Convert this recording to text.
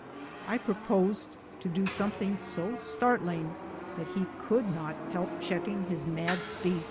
I proposed to do something so startling that he could not help checking his mad speed.